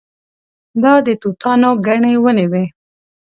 دا د توتانو ګڼې ونې وې.